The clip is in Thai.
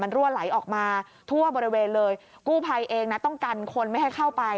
รั่วไหลออกมาทั่วบริเวณเลยกู้ภัยเองนะต้องกันคนไม่ให้เข้าไป